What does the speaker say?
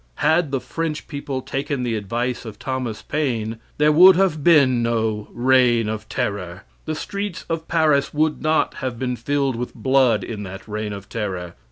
Had the French people taken the advice of Thomas Paine, there would have been no "reign of terror." The streets of Paris would not have been filled with blood in that reign of terror.